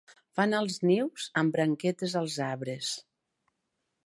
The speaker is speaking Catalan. Fan els nius amb branquetes als arbres.